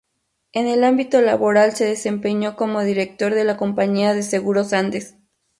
En el ámbito laboral se desempeñó como director de la Compañía de Seguros Andes.